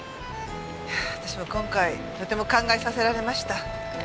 私も今回とても考えさせられました。